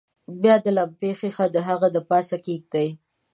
بیا د لمپې ښيښه د هغه د پاسه کیږدئ.